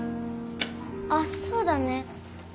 あっそうだね。